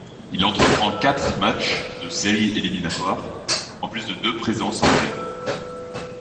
Il entreprend quatre matchs de séries éliminatoires en plus de deux présences en relève.